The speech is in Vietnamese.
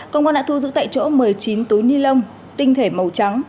công an đã thu giữ tại chỗ một mươi chín túi ni lông tinh thể màu trắng